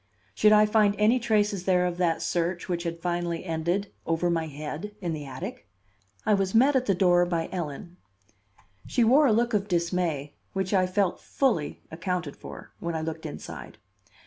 Should I find any traces there of that search which had finally ended over my head in the attic? I was met at the door by Ellen. She wore a look of dismay which I felt fully accounted for when I looked inside.